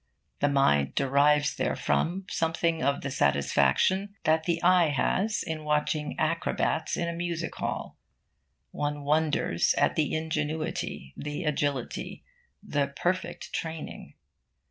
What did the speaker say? The mind derives therefrom something of the satisfaction that the eye has in watching acrobats in a music hall. One wonders at the ingenuity, the agility, the perfect training.